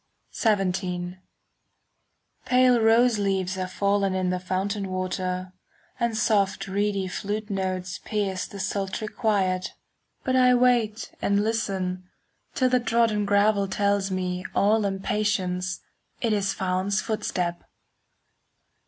XVII Pale rose leaves have fallen In the fountain water; And soft reedy flute notes Pierce the sultry quiet. But I wait and listen, 5 Till the trodden gravel Tells me, all impatience, It is Phaon's footstep.